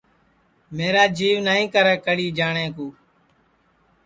میرا جیو نائی کرے کڑی جاٹؔے کُو